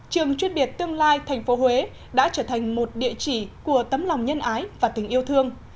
trường chuyên biệt tương lai tp huế đã trở thành một địa chỉ của tấm lòng nhân ái và tình yêu thương